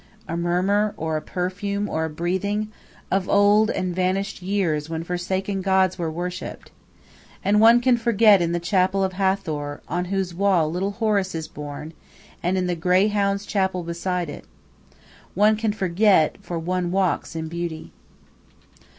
A murmur, or a perfume, or a breathing? of old and vanished years when forsaken gods were worshipped. And one can forget in the chapel of Hathor, on whose wall little Horus is born, and in the grey hounds' chapel beside it. One can forget, for one walks in beauty.